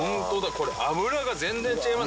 これ脂が全然違いますね。